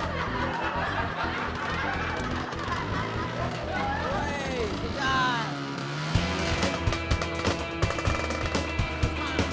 bensinnya habis mas